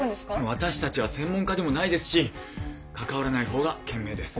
私たちは専門家でもないですし関わらない方が賢明です。